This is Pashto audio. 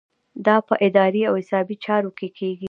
دا په اداري او حسابي چارو کې کیږي.